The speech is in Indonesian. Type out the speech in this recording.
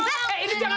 gak ada lagi